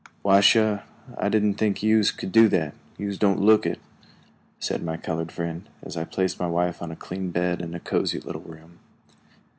"Why, suh, I didn't think yuse could do that, yuse don't look it," said my colored friend, as I placed my wife on the clean bed in a cozy little room.